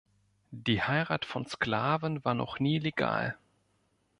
Die Heirat von Sklaven war noch nie legal.